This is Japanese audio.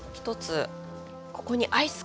ここにアイスを？